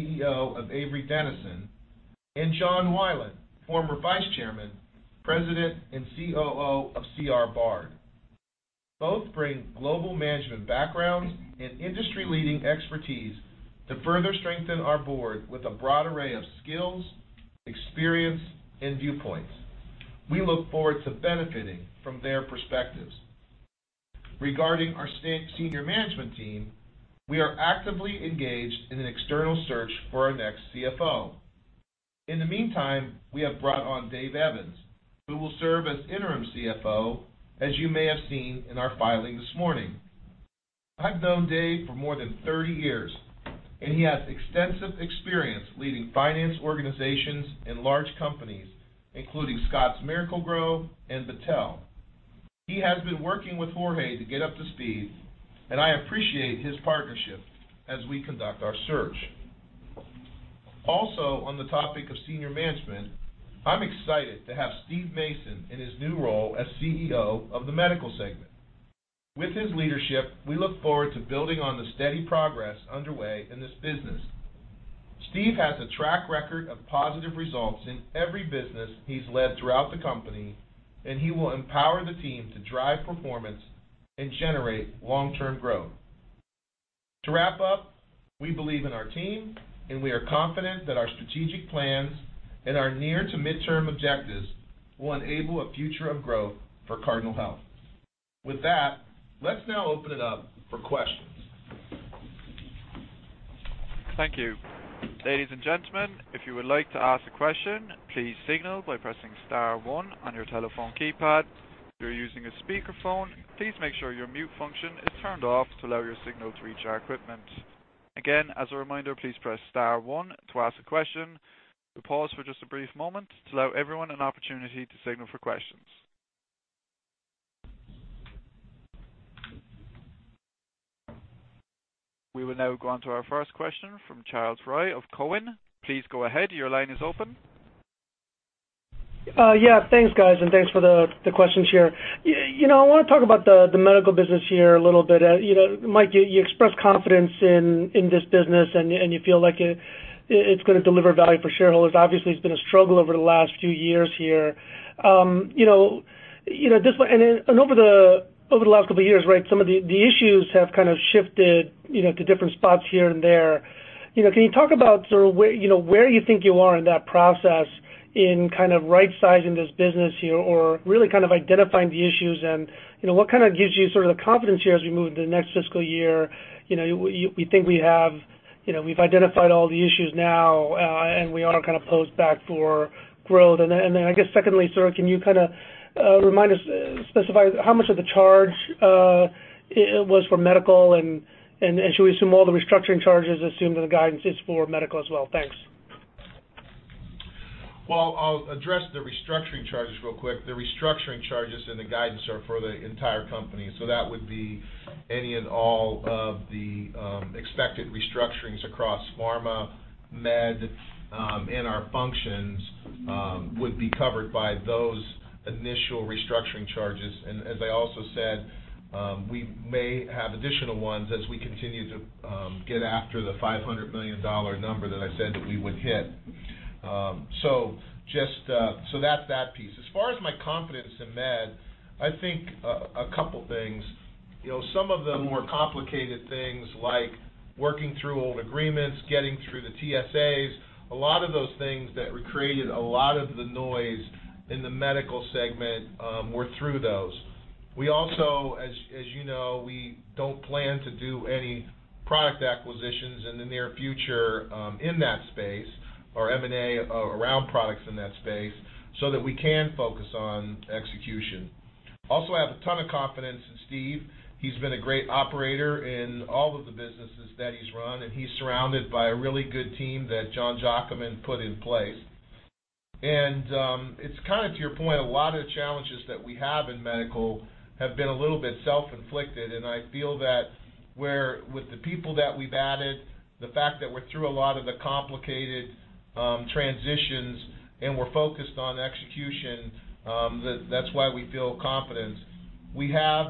CEO of Avery Dennison, John Weiland, former Vice Chairman, President and COO of C.R. Bard. Both bring global management backgrounds and industry-leading expertise to further strengthen our board with a broad array of skills, experience, and viewpoints. We look forward to benefiting from their perspectives. Regarding our senior management team, we are actively engaged in an external search for our next CFO. In the meantime, we have brought on Dave Evans, who will serve as interim CFO, as you may have seen in our filing this morning. I've known Dave for more than 30 years, and he has extensive experience leading finance organizations in large companies, including Scotts Miracle-Gro and Battelle. He has been working with Jorge to get up to speed, and I appreciate his partnership as we conduct our search. Also, on the topic of senior management, I'm excited to have Steve Mason in his new role as CEO of the Medical Segment. With his leadership, we look forward to building on the steady progress underway in this business. Steve has a track record of positive results in every business he's led throughout the company, and he will empower the team to drive performance and generate long-term growth. To wrap up, we believe in our team, and we are confident that our strategic plans and our near to midterm objectives will enable a future of growth for Cardinal Health. With that, let's now open it up for questions. Thank you. Ladies and gentlemen, if you would like to ask a question, please signal by pressing star one on your telephone keypad. If you're using a speakerphone, please make sure your mute function is turned off to allow your signal to reach our equipment. Again, as a reminder, please press star one to ask a question. We'll pause for just a brief moment to allow everyone an opportunity to signal for questions. We will now go on to our first question from Charles Rhyee of Cowen. Please go ahead. Your line is open. Yeah. Thanks, guys, and thanks for the questions here. I want to talk about the Medical business here a little bit. Mike, you expressed confidence in this business, and you feel like it's going to deliver value for shareholders. Obviously, it's been a struggle over the last few years here. Over the last couple of years, some of the issues have kind of shifted to different spots here and there. Can you talk about sort of where you think you are in that process in kind of right-sizing this business here or really kind of identifying the issues and what kind of gives you sort of the confidence here as we move into the next fiscal year? We think we've identified all the issues now, and we are kind of posed back for growth. I guess secondly, sir, can you kind of remind us, specify how much of the charge was for Medical, and should we assume all the restructuring charges assumed in the guidance is for Medical as well? Thanks. Well, I'll address the restructuring charges real quick. The restructuring charges in the guidance are for the entire company. That would be any and all of the expected restructurings across Pharma, Med, and our functions would be covered by those initial restructuring charges. As I also said, we may have additional ones as we continue to get after the $500 million number that I said that we would hit. That's that piece. As far as my confidence in Med, I think a couple things. Some of the more complicated things like working through old agreements, getting through the TSAs, a lot of those things that created a lot of the noise in the Medical segment, we're through those. We also, as you know, we don't plan to do any product acquisitions in the near future in that space or M&A around products in that space so that we can focus on execution. I have a ton of confidence in Steve. He's been a great operator in all of the businesses that he's run, and he's surrounded by a really good team that Jon Giacomin put in place. It's kind of to your point, a lot of the challenges that we have in Medical have been a little bit self-inflicted, and I feel that where with the people that we've added, the fact that we're through a lot of the complicated transitions and we're focused on execution, that's why we feel confidence. We have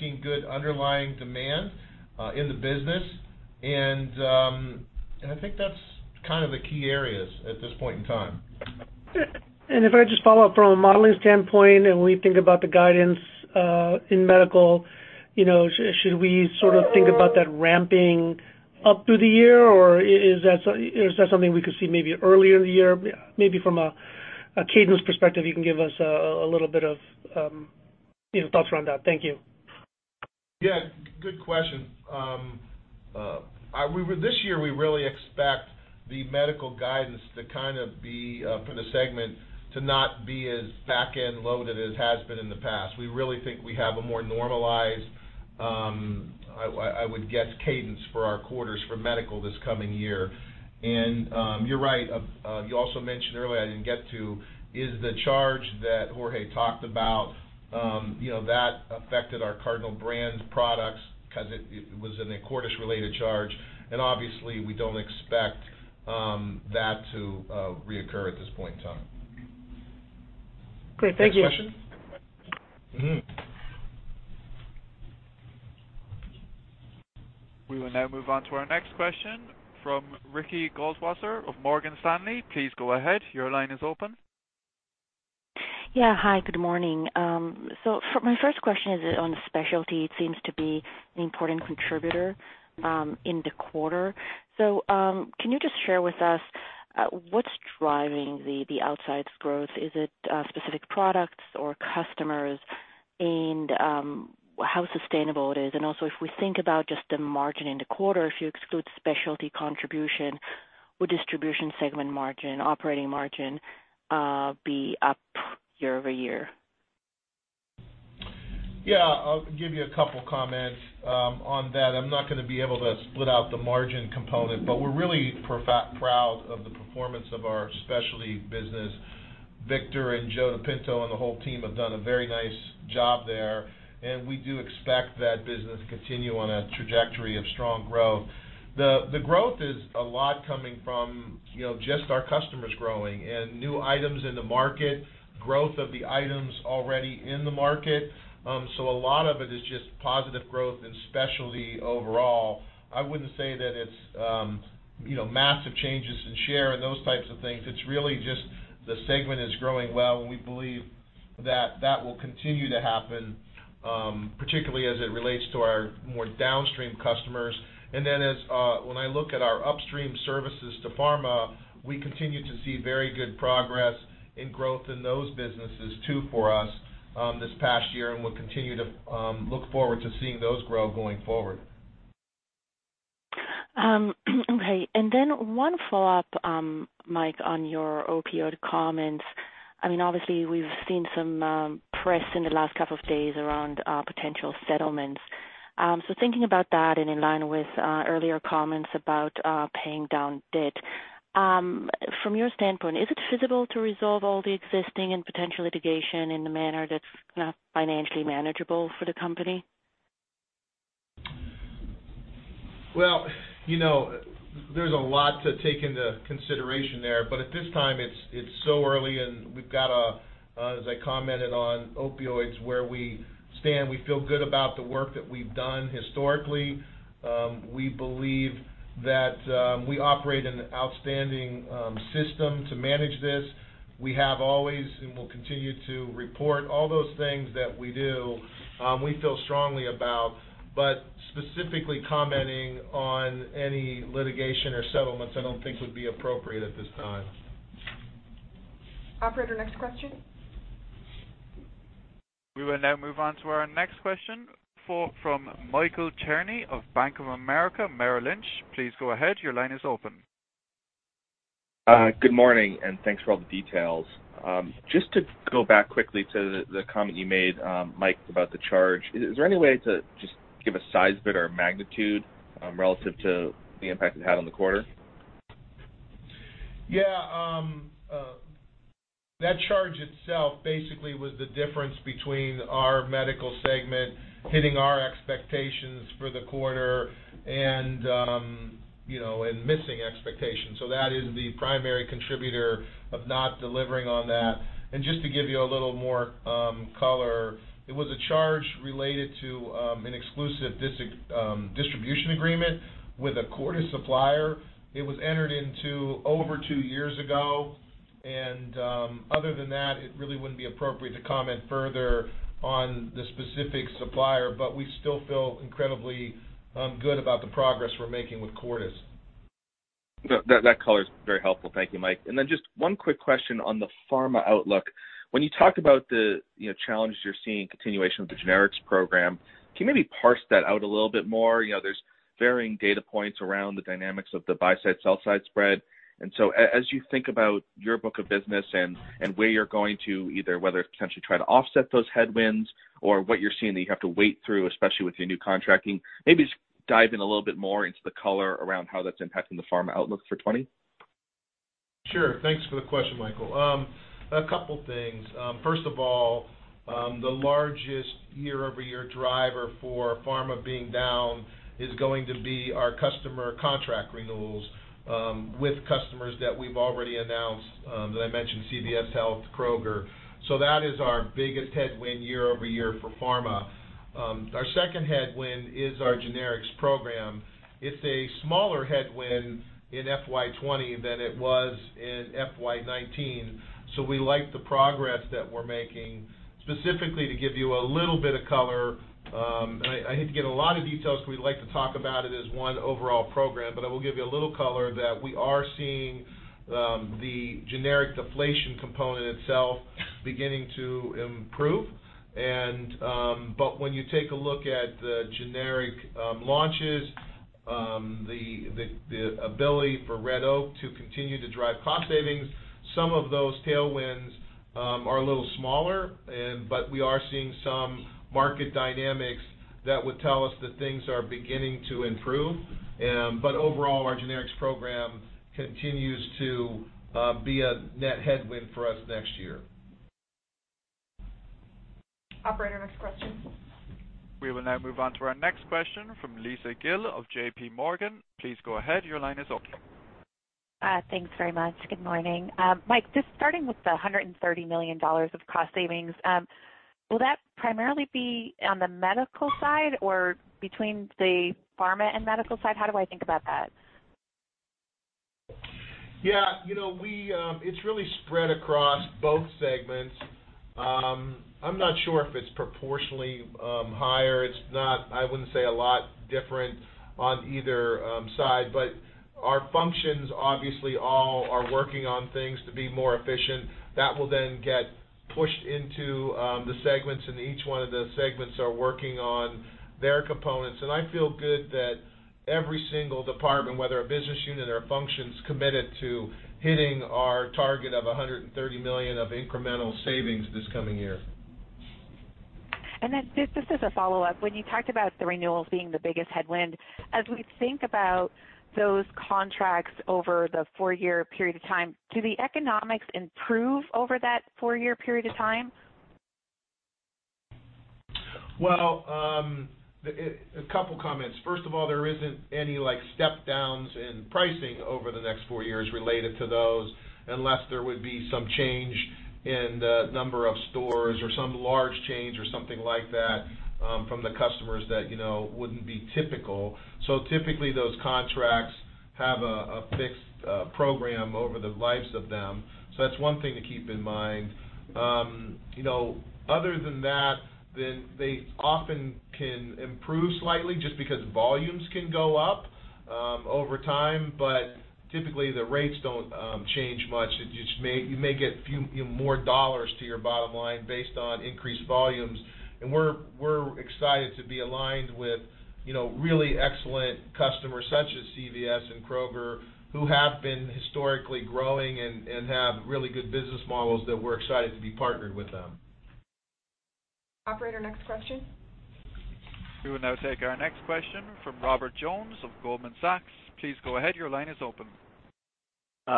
seen good underlying demand in the business, and I think that's kind of the key areas at this point in time. If I just follow up from a modeling standpoint, and we think about the guidance in Medical, should we sort of think about that ramping up through the year, or is that something we could see maybe earlier in the year? Maybe from a cadence perspective, you can give us a little bit of thoughts around that. Thank you. Yeah. Good question. This year, we really expect the Medical guidance to kind of be, for the segment, to not be as back-end loaded as has been in the past. We really think we have a more normalized, I would guess, cadence for our quarters for Medical this coming year. You're right. You also mentioned earlier, I didn't get to, is the charge that Jorge talked about that affected our Cardinal brand products because it was a Cordis-related charge, and obviously, we don't expect that to reoccur at this point in time. Great. Thank you. Next question. We will now move on to our next question from Ricky Goldwasser of Morgan Stanley. Please go ahead. Your line is open. Yeah. Hi, good morning. My first question is on specialty. It seems to be an important contributor in the quarter. Can you just share with us what's driving the outsized growth? Is it specific products or customers? How sustainable it is? Also, if we think about just the margin in the quarter, if you exclude specialty contribution, would distribution segment margin, operating margin, be up year-over-year? Yeah. I'll give you a couple of comments on that. I'm not going to be able to split out the margin component, but we're really proud of the performance of our specialty business. Victor and Joseph DePinto and the whole team have done a very nice job there, and we do expect that business to continue on a trajectory of strong growth. The growth is a lot coming from just our customers growing and new items in the market, growth of the items already in the market. A lot of it is just positive growth in specialty overall. I wouldn't say that it's massive changes in share and those types of things. It's really just the segment is growing well, and we believe that that will continue to happen, particularly as it relates to our more downstream customers. When I look at our upstream services to pharma, we continue to see very good progress in growth in those businesses too for us this past year, and we'll continue to look forward to seeing those grow going forward. Okay. One follow-up, Mike, on your opioid comments. Obviously, we've seen some press in the last couple of days around potential settlements. Thinking about that and in line with earlier comments about paying down debt, from your standpoint, is it feasible to resolve all the existing and potential litigation in a manner that's not financially manageable for the company? Well, there's a lot to take into consideration there, but at this time it's so early and we've got a, as I commented on opioids, where we stand, we feel good about the work that we've done historically. We believe that we operate an outstanding system to manage this. We have always and will continue to report all those things that we do, we feel strongly about. Specifically commenting on any litigation or settlements, I don't think would be appropriate at this time. Operator, next question. We will now move on to our next question from Michael Cherny of Bank of America Merrill Lynch. Please go ahead. Your line is open. Good morning. Thanks for all the details. Just to go back quickly to the comment you made, Mike, about the charge. Is there any way to just give a size bit or magnitude relative to the impact it had on the quarter? Yeah. That charge itself basically was the difference between our Medical segment hitting our expectations for the quarter and missing expectations. That is the primary contributor of not delivering on that. Just to give you a little more color, it was a charge related to an exclusive distribution agreement with a Cordis supplier. It was entered into over two years ago, and other than that, it really wouldn't be appropriate to comment further on the specific supplier. We still feel incredibly good about the progress we're making with Cordis. That color is very helpful. Thank you, Mike. Then just one quick question on the pharma outlook. When you talk about the challenges you're seeing, continuation of the generics program, can you maybe parse that out a little bit more? There's varying data points around the dynamics of the buy side, sell side spread. As you think about your book of business and where you're going to either whether it's potentially try to offset those headwinds or what you're seeing that you have to wait through, especially with your new contracting, maybe just dive in a little bit more into the color around how that's impacting the pharma outlook for 2020. Sure. Thanks for the question, Michael. A couple things. First of all, the largest year-over-year driver for pharma being down is going to be our customer contract renewals with customers that we've already announced, that I mentioned CVS Health, Kroger. That is our biggest headwind year-over-year for pharma. Our second headwind is our generics program. It's a smaller headwind in FY '20 than it was in FY '19, so we like the progress that we're making. Specifically, to give you a little bit of color, and I hate to give a lot of details because we like to talk about it as one overall program, but I will give you a little color that we are seeing the generic deflation component itself beginning to improve. When you take a look at the generic launches, the ability for Red Oak to continue to drive cost savings, some of those tailwinds are a little smaller, but we are seeing some market dynamics that would tell us that things are beginning to improve. Overall, our generics program continues to be a net headwind for us next year. Operator, next question. We will now move on to our next question from Lisa Gill of JPMorgan. Please go ahead. Your line is open. Thanks very much. Good morning. Mike, just starting with the $130 million of cost savings, will that primarily be on the medical side or between the pharma and medical side? How do I think about that? Yeah. It's really spread across both segments. I'm not sure if it's proportionally higher. It's not, I wouldn't say, a lot different on either side. Our functions obviously all are working on things to be more efficient. That will then get pushed into the segments. Each one of the segments are working on their components. I feel good that every single department, whether a business unit or a function, is committed to hitting our target of $130 million of incremental savings this coming year. Just as a follow-up, when you talked about the renewals being the biggest headwind, as we think about those contracts over the four-year period of time, do the economics improve over that four-year period of time? A couple of comments. First of all, there isn't any step downs in pricing over the next four years related to those, unless there would be some change in the number of stores or some large change or something like that from the customers that wouldn't be typical. Typically, those contracts have a fixed program over the lives of them. That's one thing to keep in mind. Other than that, they often can improve slightly just because volumes can go up over time, but typically, the rates don't change much. You may get few more dollars to your bottom line based on increased volumes. We're excited to be aligned with really excellent customers such as CVS and Kroger, who have been historically growing and have really good business models that we're excited to be partnered with them. Operator, next question. We will now take our next question from Robert Jones of Goldman Sachs. Please go ahead. Your line is open.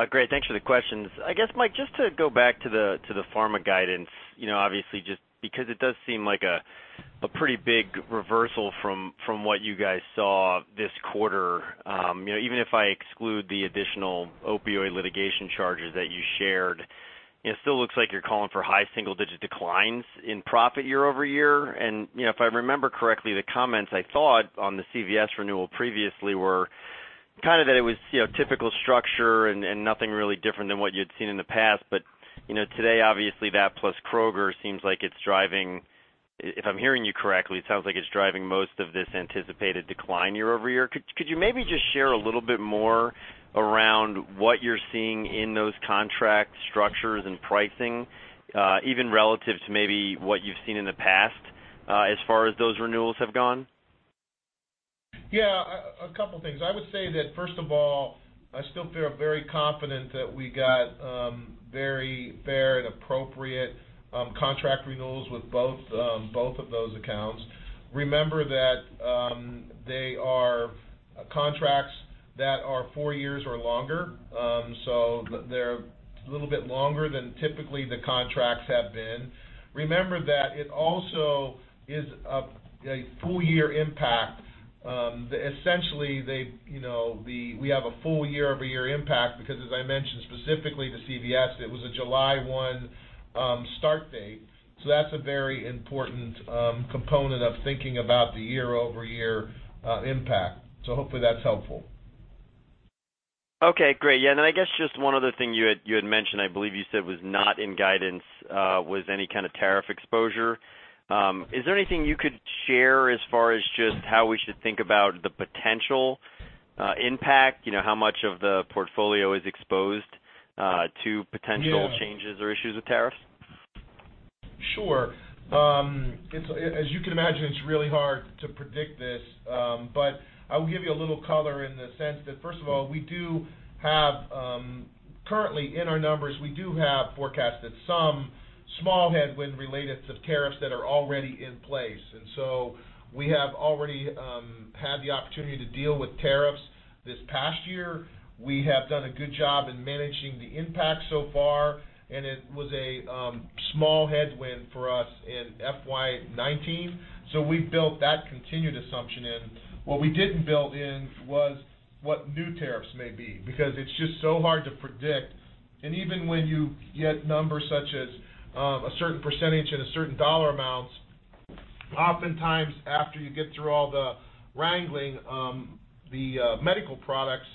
Great. Thanks for the questions. I guess, Mike, just to go back to the pharma guidance, obviously just because it does seem like a pretty big reversal from what you guys saw this quarter. Even if I exclude the additional opioid litigation charges that you shared, it still looks like you're calling for high single-digit declines in profit year-over-year. If I remember correctly, the comments I thought on the CVS renewal previously were that it was typical structure and nothing really different than what you'd seen in the past. Today, obviously, that plus Kroger seems like it's driving, if I'm hearing you correctly, it sounds like it's driving most of this anticipated decline year-over-year. Could you maybe just share a little bit more around what you're seeing in those contract structures and pricing, even relative to maybe what you've seen in the past as far as those renewals have gone? Yeah, a couple of things. I would say that, first of all, I still feel very confident that we got very fair and appropriate contract renewals with both of those accounts. Remember that they are contracts that are four years or longer. So they're a little bit longer than typically the contracts have been. Remember that it also is a full-year impact. Essentially, we have a full year-over-year impact because, as I mentioned, specifically the CVS, it was a July 1 start date. That's a very important component of thinking about the year-over-year impact. Hopefully that's helpful. Okay, great. Yeah, I guess just one other thing you had mentioned, I believe you said was not in guidance, was any kind of tariff exposure. Is there anything you could share as far as just how we should think about the potential impact, how much of the portfolio is exposed to potential. Yeah changes or issues with tariffs? Sure. As you can imagine, it is really hard to predict this. I will give you a little color in the sense that, first of all, currently in our numbers, we do have forecasted some small headwind related to tariffs that are already in place. We have already had the opportunity to deal with tariffs this past year. We have done a good job in managing the impact so far, and it was a small headwind for us in FY 2019. We built that continued assumption in. What we didn't build in was what new tariffs may be, because it is just so hard to predict. Even when you get numbers such as a certain percentage and a certain dollar amounts, oftentimes after you get through all the wrangling, the medical products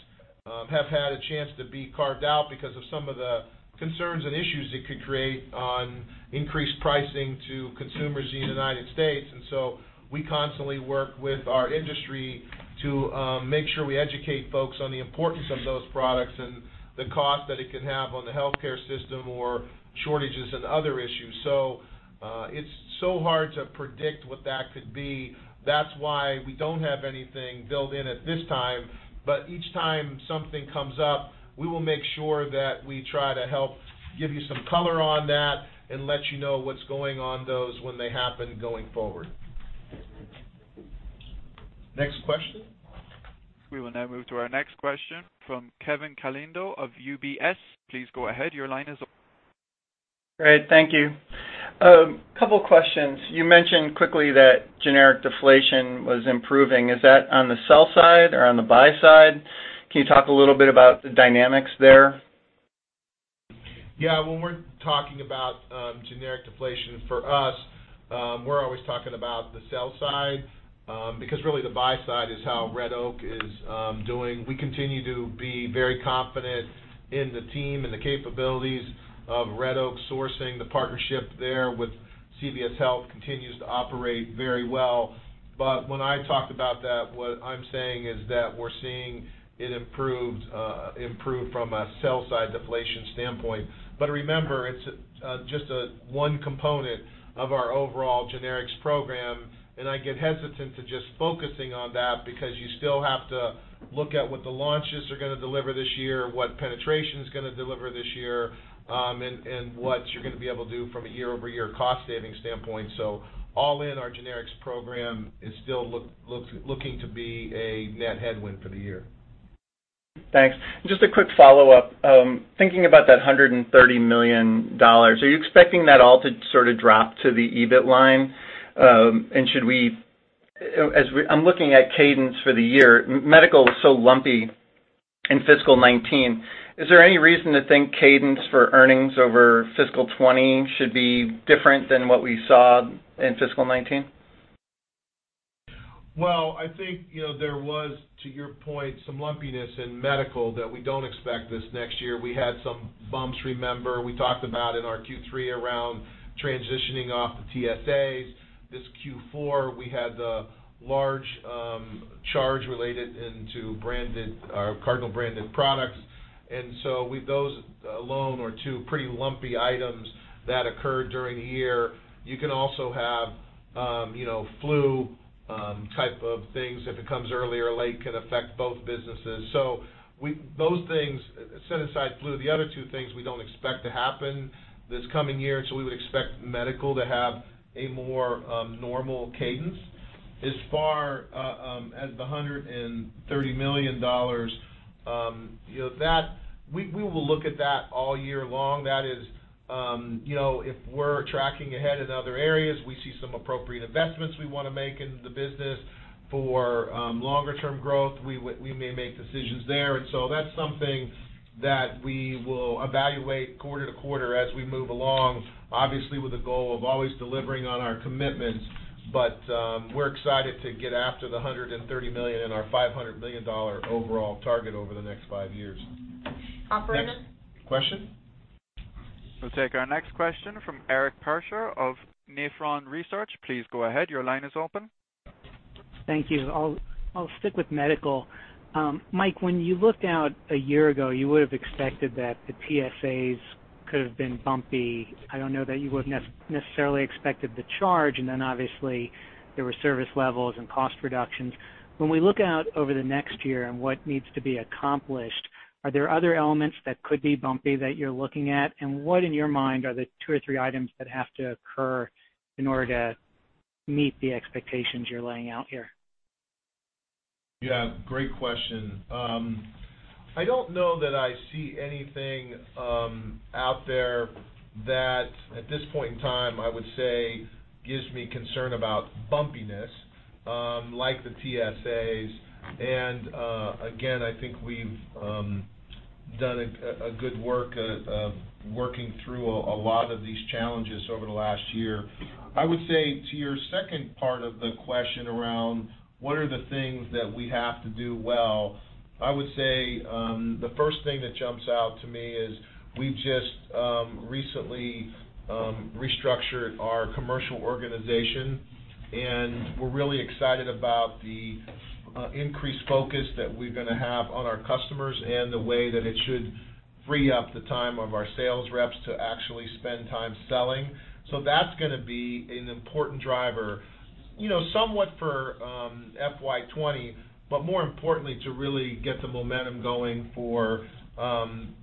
have had a chance to be carved out because of some of the concerns and issues it could create on increased pricing to consumers in the U.S. We constantly work with our industry to make sure we educate folks on the importance of those products and the cost that it could have on the healthcare system or shortages and other issues. It's so hard to predict what that could be. That's why we don't have anything built in at this time. Each time something comes up, we will make sure that we try to help give you some color on that and let you know what's going on those when they happen going forward. Next question. We will now move to our next question from Kevin Caliendo of UBS. Please go ahead. Your line is open. Great. Thank you. A couple questions. You mentioned quickly that generic deflation was improving. Is that on the sell side or on the buy side? Can you talk a little bit about the dynamics there? Yeah. When we're talking about generic deflation for us, we're always talking about the sell side, because really the buy side is how Red Oak is doing. We continue to be very confident in the team and the capabilities of Red Oak Sourcing. The partnership there with CVS Health continues to operate very well. When I talked about that, what I'm saying is that we're seeing it improved from a sell side deflation standpoint. Remember, it's just one component of our overall generics program, and I get hesitant to just focusing on that because you still have to look at what the launches are going to deliver this year, what penetration's going to deliver this year, and what you're going to be able to do from a year-over-year cost savings standpoint. All in our generics program is still looking to be a net headwind for the year. Thanks. Just a quick follow-up. Thinking about that $130 million, are you expecting that all to sort of drop to the EBIT line? I'm looking at cadence for the year. Medical was so lumpy in fiscal 2019. Is there any reason to think cadence for earnings over fiscal 2020 should be different than what we saw in fiscal 2019? Well, I think, there was, to your point, some lumpiness in medical that we don't expect this next year. We had some bumps, remember, we talked about in our Q3 around transitioning off the TSAs. This Q4, we had the large charge related into Cardinal branded products. Those alone are two pretty lumpy items that occurred during the year. You can also have flu type of things, if it comes early or late, can affect both businesses. Those things, setting aside flu, the other two things we don't expect to happen this coming year, so we would expect medical to have a more normal cadence. As far as the $130 million, we will look at that all year long. If we're tracking ahead in other areas, we see some appropriate investments we want to make in the business for longer-term growth, we may make decisions there. That's something that we will evaluate quarter to quarter as we move along, obviously, with the goal of always delivering on our commitments. We're excited to get after the $130 million in our $500 million overall target over the next five years. Operator. Next question. We'll take our next question from Eric Percher of Nephron Research. Please go ahead. Your line is open. Thank you. I'll stick with medical. Mike, when you looked out a year ago, you would've expected that the PSAs could've been bumpy. I don't know that you would've necessarily expected the charge, then obviously, there were service levels and cost reductions. When we look out over the next year and what needs to be accomplished, are there other elements that could be bumpy that you're looking at? What, in your mind, are the two or three items that have to occur in order to meet the expectations you're laying out here? Yeah. Great question. I don't know that I see anything out there that, at this point in time, I would say gives me concern about bumpiness, like the TSAs. Again, I think we've done a good work of working through a lot of these challenges over the last year. I would say to your second part of the question around what are the things that we have to do well, I would say, the first thing that jumps out to me is we just recently restructured our commercial organization, and we're really excited about the increased focus that we're going to have on our customers and the way that it should free up the time of our sales reps to actually spend time selling. That's going to be an important driver, somewhat for FY 2020, but more importantly, to really get the momentum going for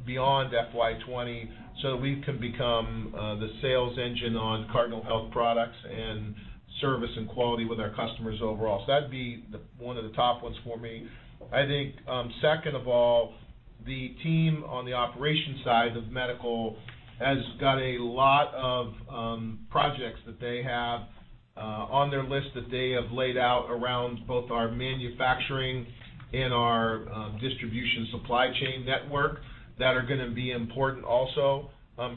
beyond FY 2020 so that we can become the sales engine on Cardinal Health products and service and quality with our customers overall. That'd be one of the top ones for me. I think, second of all, the team on the operations side of Medical has got a lot of projects that they have on their list that they have laid out around both our manufacturing and our distribution supply chain network that are going to be important also,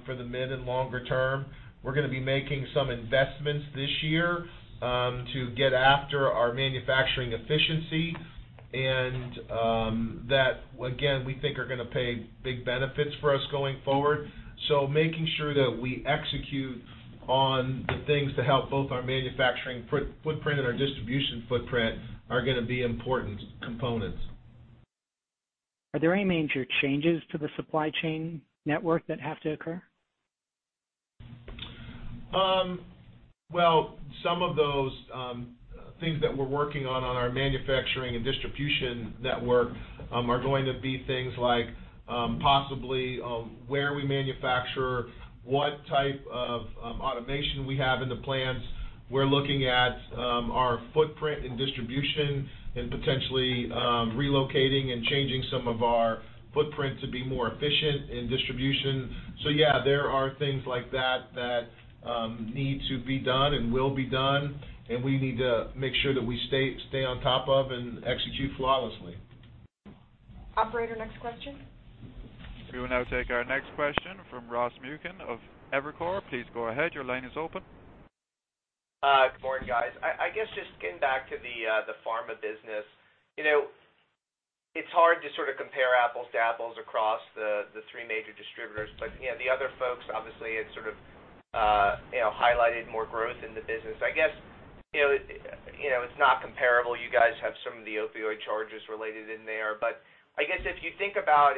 for the mid and longer term. We're going to be making some investments this year, to get after our manufacturing efficiency, and that, again, we think are going to pay big benefits for us going forward. Making sure that we execute on the things to help both our manufacturing footprint and our distribution footprint are going to be important components. Are there any major changes to the supply chain network that have to occur? Well, some of those things that we're working on our manufacturing and distribution network, are going to be things like, possibly, where we manufacture, what type of automation we have in the plants. We're looking at our footprint and distribution and potentially relocating and changing some of our footprint to be more efficient in distribution. Yeah, there are things like that that need to be done and will be done, and we need to make sure that we stay on top of and execute flawlessly. Operator, next question. We will now take our next question from Ross Muken of Evercore. Please go ahead. Your line is open. Good morning, guys. I guess just getting back to the pharma business. It's hard to sort of compare apples to apples across the three major distributors. The other folks, obviously, had sort of highlighted more growth in the business. I guess it's not comparable. You guys have some of the opioid charges related in there. I guess if you think about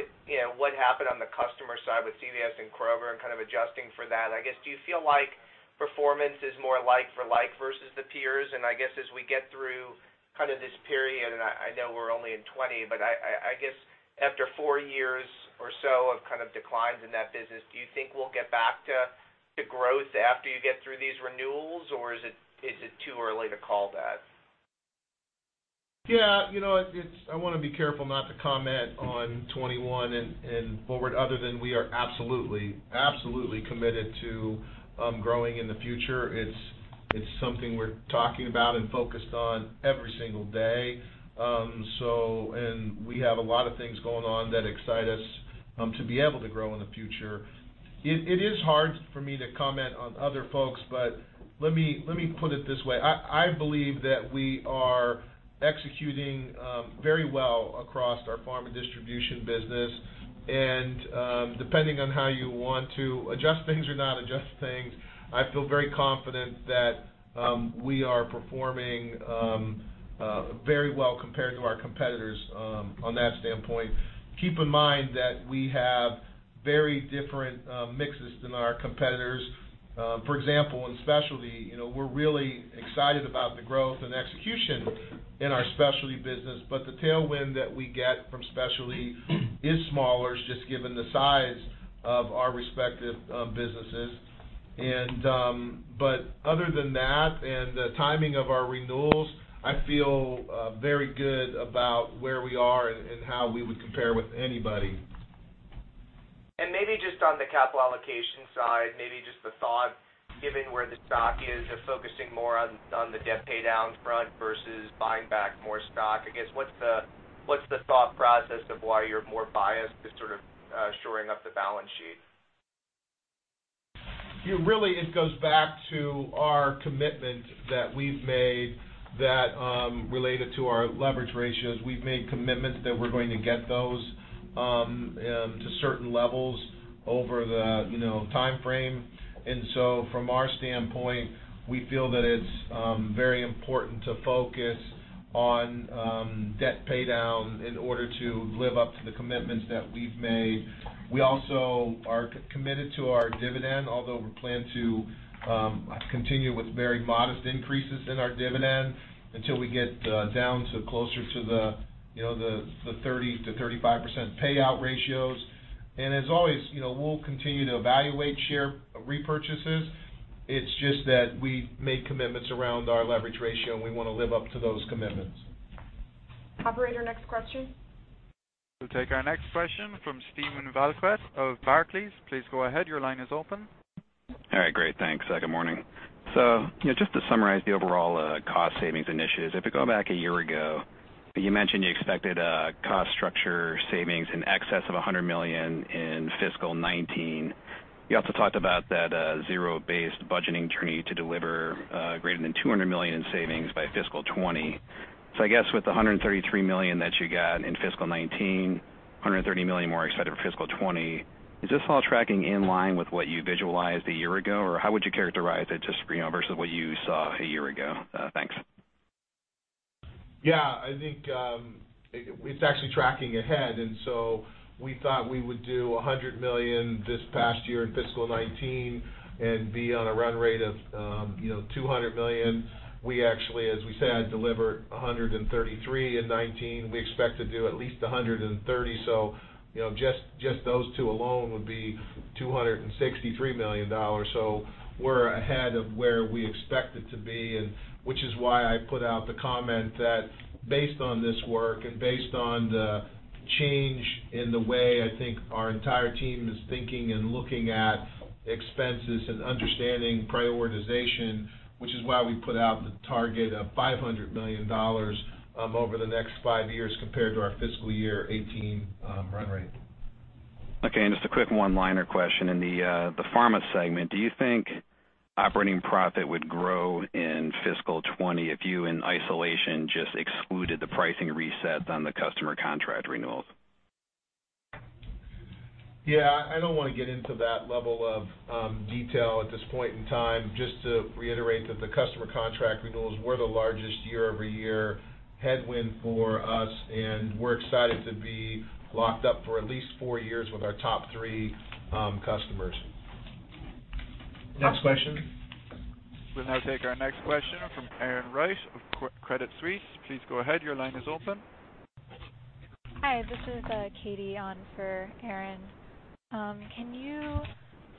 what happened on the customer side with CVS and Kroger and kind of adjusting for that, I guess, do you feel like performance is more like for like versus the peers? I guess as we get through kind of this period, and I know we're only in 2020, but I guess after four years or so of kind of declines in that business, do you think we'll get back to growth after you get through these renewals, or is it too early to call that? Yeah. I want to be careful not to comment on 2021 and forward other than we are absolutely committed to growing in the future. It's something we're talking about and focused on every single day. We have a lot of things going on that excite us to be able to grow in the future. It is hard for me to comment on other folks, but let me put it this way. I believe that we are executing very well across our pharma distribution business. Depending on how you want to adjust things or not adjust things, I feel very confident that we are performing very well compared to our competitors on that standpoint. Keep in mind that we have very different mixes than our competitors. For example, in specialty, we're really excited about the growth and execution in our specialty business, but the tailwind that we get from specialty is smaller, just given the size of our respective businesses. Other than that and the timing of our renewals, I feel very good about where we are and how we would compare with anybody. Maybe just on the capital allocation side, maybe just the thought, given where the stock is, of focusing more on the debt pay down front versus buying back more stock. I guess, what's the thought process of why you're more biased to sort of shoring up the balance sheet? Really, it goes back to our commitment that we've made that related to our leverage ratios. We've made commitments that we're going to get those to certain levels over the time frame. From our standpoint, we feel that it's very important to focus on debt pay down in order to live up to the commitments that we've made. We also are committed to our dividend, although we plan to continue with very modest increases in our dividend until we get down to closer to the 30% to 35% payout ratios. As always, we'll continue to evaluate share repurchases. It's just that we've made commitments around our leverage ratio, and we want to live up to those commitments. Operator, next question. We'll take our next question from Steven Valiquette of Barclays. Please go ahead. Your line is open. All right. Great. Thanks. Good morning. Just to summarize the overall cost savings initiatives, if you go back a year ago, you mentioned you expected a cost structure savings in excess of $100 million in FY '19. You also talked about that zero-based budgeting journey to deliver greater than $200 million in savings by FY '20. I guess with the $133 million that you got in FY '19, $130 million more excited for FY '20, is this all tracking in line with what you visualized a year ago, or how would you characterize it just versus what you saw a year ago? Thanks. Yeah, I think it's actually tracking ahead. We thought we would do $100 million this past year in FY '19 and be on a run rate of $200 million. We actually, as we said, delivered $133 in FY '19. We expect to do at least $130, so just those two alone would be $263 million. We're ahead of where we expected to be, and which is why I put out the comment that based on this work and based on the change in the way I think our entire team is thinking and looking at expenses and understanding prioritization, which is why we put out the target of $500 million over the next 5 years compared to our FY '18 run rate. Okay. Just a quick one-liner question. In the Pharmaceutical Segment, do you think operating profit would grow in FY 2020 if you, in isolation, just excluded the pricing resets on the customer contract renewals? Yeah, I don't want to get into that level of detail at this point in time. Just to reiterate that the customer contract renewals were the largest year-over-year headwind for us, and we're excited to be locked up for at least four years with our top three customers. Next question. We'll now take our next question from Erin Wright of Credit Suisse. Please go ahead. Your line is open. Hi, this is Katie on for Erin.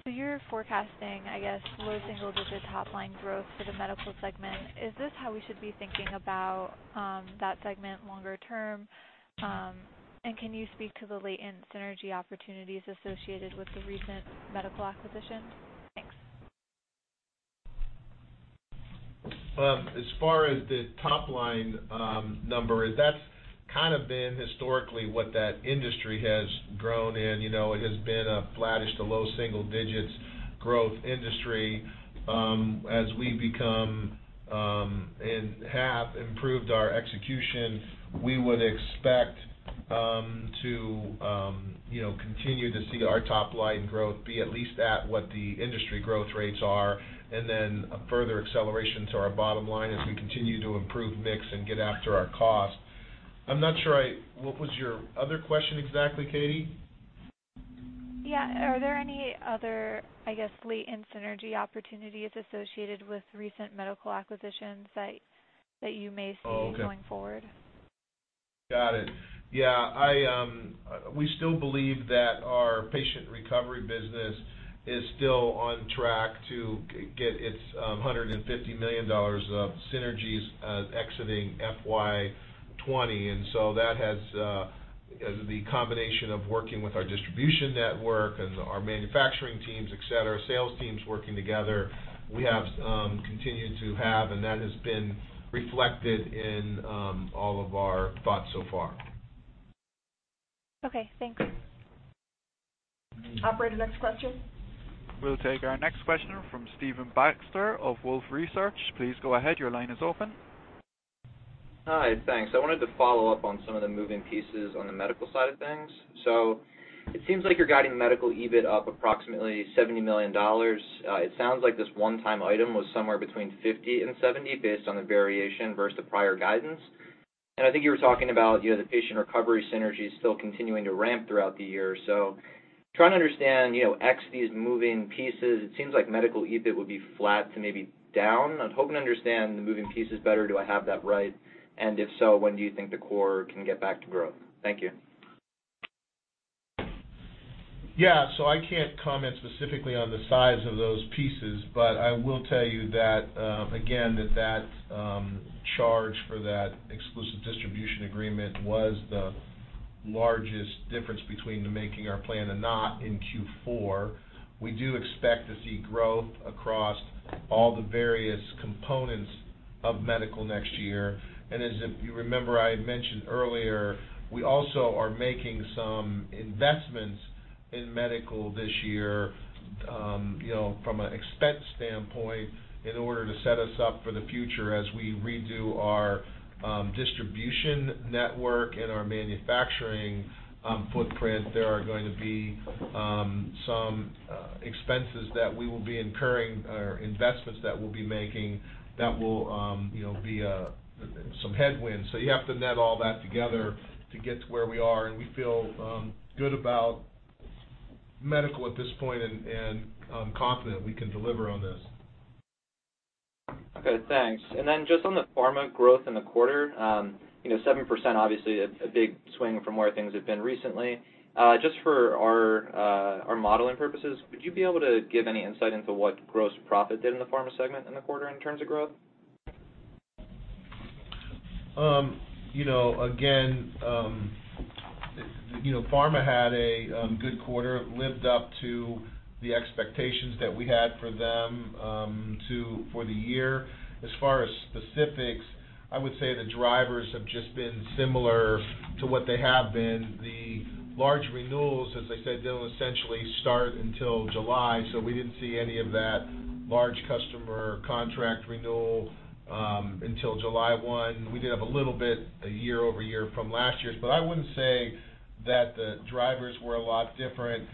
You're forecasting, I guess, low single-digit top-line growth for the Medical segment. Is this how we should be thinking about that segment longer term? Can you speak to the latent synergy opportunities associated with the recent medical acquisitions? Thanks. As far as the top-line number, that's kind of been historically what that industry has grown in. It has been a flattish to low single digits growth industry. As we become and have improved our execution, we would expect to continue to see our top-line growth be at least at what the industry growth rates are, and then a further acceleration to our bottom line as we continue to improve mix and get after our cost. I'm not sure, what was your other question exactly, Katie? Yeah. Are there any other, I guess, latent synergy opportunities associated with recent medical acquisitions that you may see going forward? Got it. Yeah, we still believe that our patient recovery business is still on track to get its $150 million of synergies exiting FY '20. That has the combination of working with our distribution network and our manufacturing teams, et cetera, sales teams working together, we have continued to have, and that has been reflected in all of our thoughts so far. Okay, thanks. Operator, next question. We'll take our next question from Stephen Baxter of Wolfe Research. Please go ahead. Your line is open. Hi. Thanks. I wanted to follow up on some of the moving pieces on the medical side of things. It seems like you're guiding medical EBIT up approximately $70 million. It sounds like this one-time item was somewhere between $50 million and $70 million based on the variation versus the prior guidance. I think you were talking about the patient recovery synergies still continuing to ramp throughout the year. Trying to understand, ex these moving pieces, it seems like medical EBIT would be flat to maybe down. I'm hoping to understand the moving pieces better. Do I have that right? If so, when do you think the core can get back to growth? Thank you. I can't comment specifically on the size of those pieces, but I will tell you that, again, that charge for that exclusive distribution agreement was the largest difference between making our plan and not in Q4. We do expect to see growth across all the various components of medical next year. As you remember, I had mentioned earlier, we also are making some investments in medical this year, from an expense standpoint, in order to set us up for the future as we redo our distribution network and our manufacturing footprint. There are going to be some expenses that we will be incurring or investments that we'll be making that will be some headwind. You have to net all that together to get to where we are, and we feel good about medical at this point and confident we can deliver on this. Okay, thanks. Just on the Pharma growth in the quarter, 7% obviously a big swing from where things have been recently. Just for our modeling purposes, would you be able to give any insight into what gross profit did in the Pharma Segment in the quarter in terms of growth? Again, pharma had a good quarter, lived up to the expectations that we had for them for the year. As far as specifics, I would say the drivers have just been similar to what they have been. The large renewals, as I said, didn't essentially start until July, so we didn't see any of that large customer contract renewal until July 1. We did have a little bit year-over-year from last year's, but I wouldn't say that the drivers were a lot different.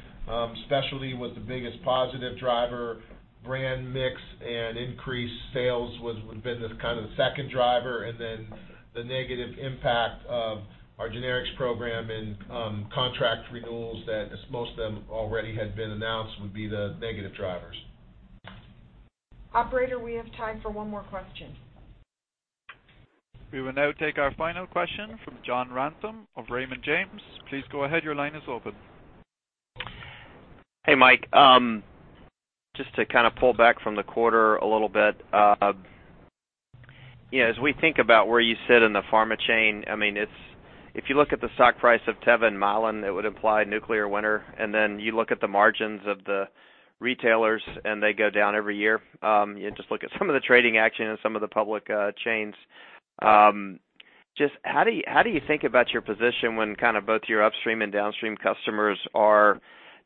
Specialty was the biggest positive driver. Brand mix and increased sales would've been the kind of second driver, and then the negative impact of our generics program and contract renewals that most of them already had been announced would be the negative drivers. Operator, we have time for one more question. We will now take our final question from John Ransom of Raymond James. Please go ahead. Your line is open. Hey, Mike. Just to kind of pull back from the quarter a little bit. As we think about where you sit in the pharma chain, if you look at the stock price of Teva and Mylan, it would imply nuclear winter, and then you look at the margins of the retailers, and they go down every year. You just look at some of the trading action and some of the public chains. Just how do you think about your position when both your upstream and downstream customers are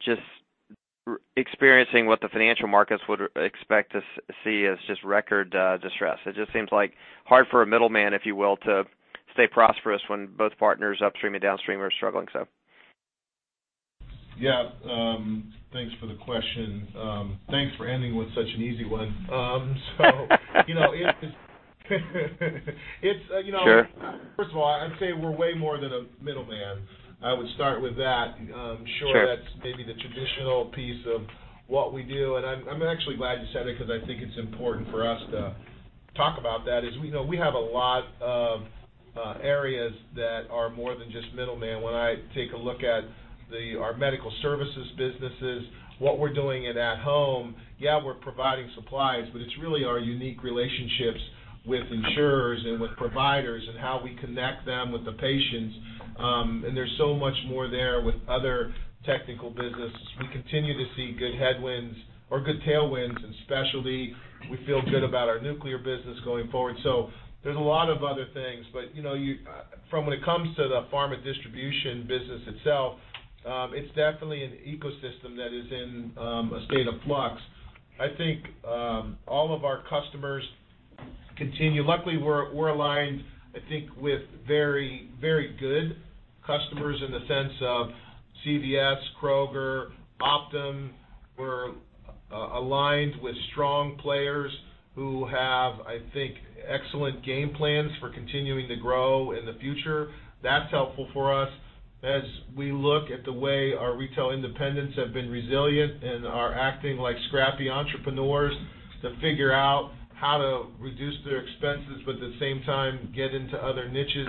just experiencing what the financial markets would expect to see as just record distress? It just seems hard for a middleman, if you will, to stay prosperous when both partners upstream and downstream are struggling. Yeah. Thanks for the question. Thanks for ending with such an easy one. Sure. First of all, I'd say we're way more than a middleman. I would start with that. Sure. I'm sure that's maybe the traditional piece of what we do, and I'm actually glad you said it because I think it's important for us to talk about that is we know we have a lot of areas that are more than just middleman. When I take a look at our medical services businesses, what we're doing at home, yeah, we're providing supplies, but it's really our unique relationships with insurers and with providers and how we connect them with the patients. There's so much more there with other technical businesses. We continue to see good headwinds or good tailwinds in specialty. We feel good about our nuclear business going forward. There's a lot of other things, but from when it comes to the pharma distribution business itself, it's definitely an ecosystem that is in a state of flux. I think all of our customers continue. Luckily, we're aligned, I think, with very good customers in the sense of CVS, Kroger, Optum. We're aligned with strong players who have, I think, excellent game plans for continuing to grow in the future. That's helpful for us as we look at the way our retail independents have been resilient and are acting like scrappy entrepreneurs to figure out how to reduce their expenses, but at the same time, get into other niches.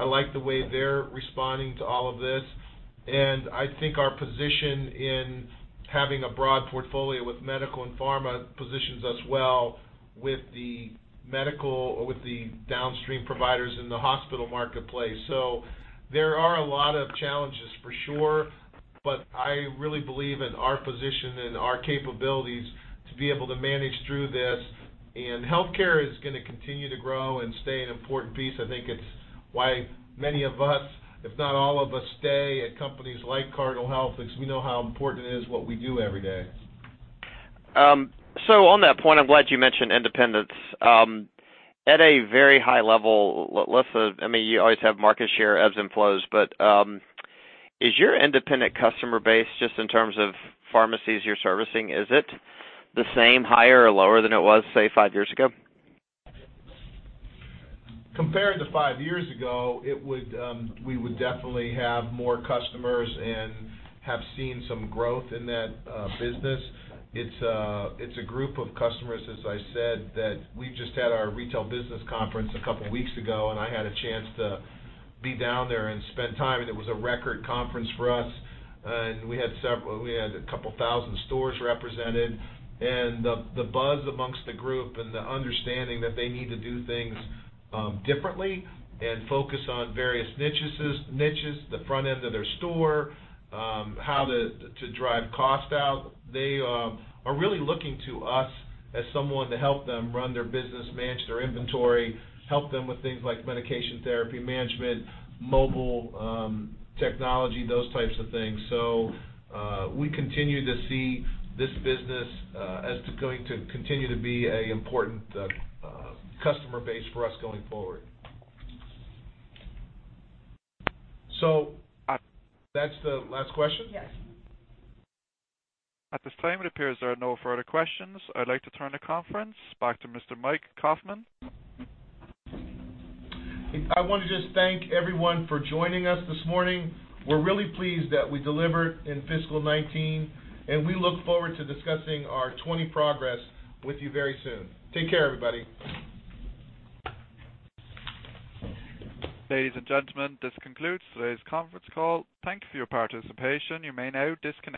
I like the way they're responding to all of this, and I think our position in having a broad portfolio with medical and pharma positions us well with the medical or with the downstream providers in the hospital marketplace. There are a lot of challenges for sure, but I really believe in our position and our capabilities to be able to manage through this, and healthcare is going to continue to grow and stay an important piece. I think it's why many of us, if not all of us, stay at companies like Cardinal Health because we know how important it is, what we do every day. On that point, I'm glad you mentioned independence. At a very high level, You always have market share ebbs and flows, but is your independent customer base just in terms of pharmacies you're servicing, is it the same, higher, or lower than it was, say, five years ago? Compared to five years ago, we would definitely have more customers and have seen some growth in that business. It's a group of customers, as I said, that we've just had our retail business conference a couple weeks ago, and I had a chance to be down there and spend time, and it was a record conference for us. We had a couple thousand stores represented. The buzz amongst the group and the understanding that they need to do things differently and focus on various niches, the front end of their store, how to drive cost out. They are really looking to us as someone to help them run their business, manage their inventory, help them with things like medication therapy management, mobile technology, those types of things. We continue to see this business as going to continue to be an important customer base for us going forward. That's the last question? Yes. At this time, it appears there are no further questions. I'd like to turn the conference back to Mr. Mike Kaufmann. I want to just thank everyone for joining us this morning. We're really pleased that we delivered in FY '19, and we look forward to discussing our FY '20 progress with you very soon. Take care, everybody. Ladies and gentlemen, this concludes today's conference call. Thank you for your participation. You may now disconnect.